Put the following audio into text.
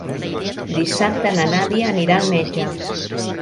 Dissabte na Nàdia anirà al metge.